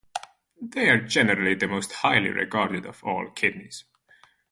They are generally the most highly regarded of all kidneys.